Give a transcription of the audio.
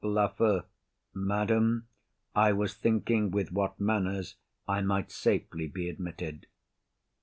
LAFEW. Madam, I was thinking with what manners I might safely be admitted.